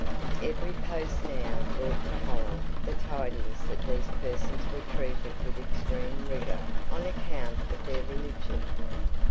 Every post now brought to Holland the tidings that these persons were treated with extreme rigour on account of their religion.